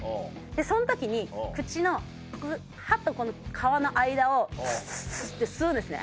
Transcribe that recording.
その時に口の歯と皮の間をスッスッスッて吸うんですね。